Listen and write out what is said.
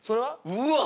うわっ！